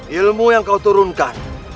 ilmu yang kau turunkan